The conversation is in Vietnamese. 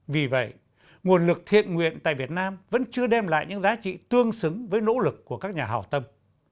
vì vậy nguồn lực thiện nguyện tại việt nam vẫn chưa đem lại những giá trị tương xứng với nỗ lực của các nhà hào tâm